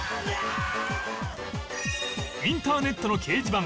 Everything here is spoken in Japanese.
インターネットの掲示板２